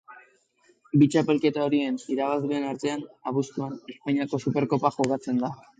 Bi txapelketa horien irabazleen artean, abuztuan, Espainiako Superkopa jokatzen da.